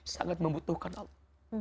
sangat membutuhkan allah